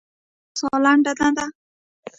ایا ستاسو ساه لنډه نه ده؟